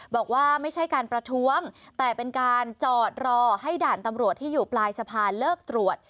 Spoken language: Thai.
บอกว่าไม่ใช่การประท้วงแต่เป็นการจอดรอให้ด่านตำรวจที่อยู่ปลายสะพานเลิกตรวจ